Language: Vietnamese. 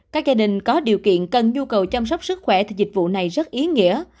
các gia đình có điều kiện cần du cầu chăm sóc sức khỏe thì dịch vụ này rất ý nghĩa